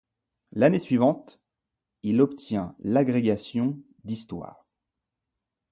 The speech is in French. L'année suivante, il obtient l'agrégation d’histoire.